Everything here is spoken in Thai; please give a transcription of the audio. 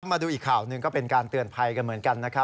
มาดูอีกข่าวหนึ่งก็เป็นการเตือนภัยกันเหมือนกันนะครับ